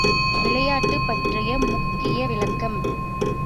விளையாட்டு பற்றிய முக்கிய விளக்கம் ….